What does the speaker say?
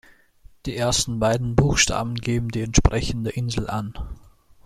Die ersten beiden Buchstaben geben die entsprechende Insel an.